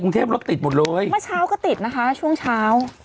เทพรถติดหมดเลยเมื่อเช้าก็ติดนะคะช่วงเช้า